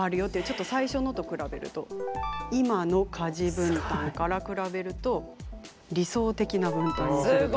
ちょっと最初のと比べると今の家事分担から比べると理想的な分担にするとこのぐらい。